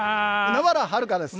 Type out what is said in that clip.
海原はるかです。